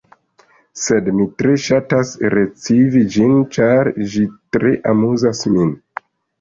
Sed mi tre ŝatas recivi ĝin, ĉar ĝi tre amuzas min.